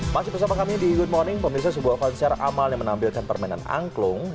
masih bersama kami di good morning pemirsa sebuah konser amal yang menampilkan permainan angklung